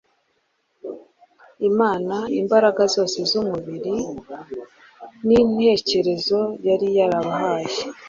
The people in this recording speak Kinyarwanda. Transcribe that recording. Imana imbaraga zose z’umubiri n’intekerezo yari yarabahaye